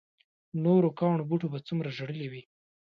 نورو کاڼو بوټو به څومره ژړلي وي.